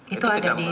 itu ada di ini